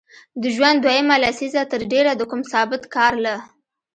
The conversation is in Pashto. د ژوند دویمه لسیزه تر ډېره د کوم ثابت کار له